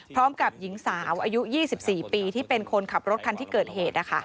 พร้อมกับหญิงสาวอายุ๒๔ปีที่เป็นคนขับรถคันที่เกิดเหตุ